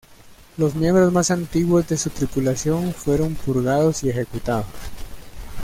Los miembros más antiguos de su tripulación fueron purgados y ejecutados.